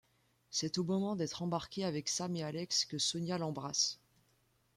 C'est au moment d'être embarqué avec Sam et Alex que Sonia l'embrasse.